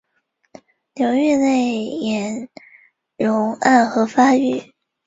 有着一副娃娃脸的已婚者。